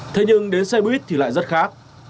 thế nhưng đến xe buýt thì lại rất khác